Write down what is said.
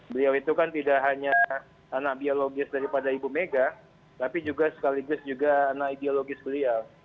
beliau itu kan tidak hanya anak biologis daripada ibu mega tapi juga sekaligus juga anak ideologis beliau